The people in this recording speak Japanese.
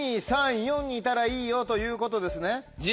２３４にいたらいいよということですね。